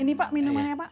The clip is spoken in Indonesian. ini pak minum aja pak